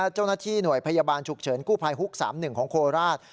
เจ้าหน้าที่หน่วยพยาบาลฉุกเฉินกู้ภัยฮุก๓๑ของโคราช